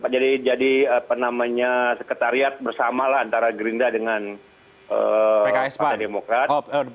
jadi penamanya sekretariat bersama antara gerindra dengan partai demokrat